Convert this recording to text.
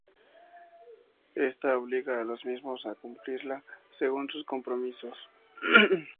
Ésta obliga a los mismos a cumplirla, según sus compromisos.